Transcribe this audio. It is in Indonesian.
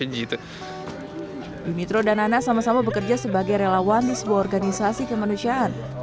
dwitro dan ana sama sama bekerja sebagai relawan di sebuah organisasi kemanusiaan